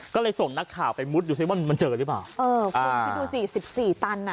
ก็เลยส่งนักข่าวไปมุดดูสิว่ามันมันเจอหรือเปล่าเออคุณคิดดูสิสิบสี่ตันอ่ะ